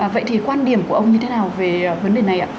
vậy thì quan điểm của ông như thế nào về vấn đề này ạ